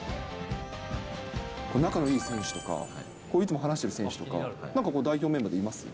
仲のいい選手とか、いつも話してる選手とか、代表メンバーでいます？